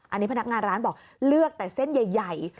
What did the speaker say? อันนี้พนักงานร้านบอกเลือกแต่เส้นใหญ่